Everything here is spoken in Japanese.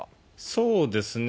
そうですね。